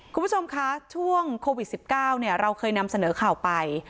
คุณผู้ชมคะช่วงโควิด๑๙เราเคยนำเสนอข่าวไป